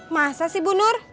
masa sih bu nur